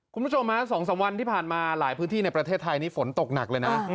คุณผู้ชมฮะ๒๓วันที่ผ่านมาหลายพื้นที่ในประเทศไทยนี่ฝนตกหนักเลยนะ